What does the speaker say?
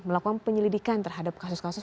melakukan penyelidikan terhadap kasus kasus